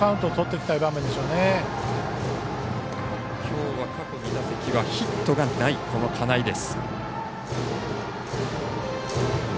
きょうの過去２打席はヒットがない、金井です。